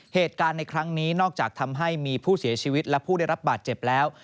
เหตุการณ์ในครั้งนี้นอกจากทำให้มีผู้เสียชีวิตและผู้ได้รับบาดเจ็บแล้ว